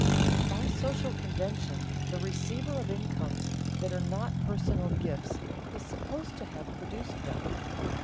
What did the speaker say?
By social convention the receiver of incomes that are not personal gifts is supposed to have produced them.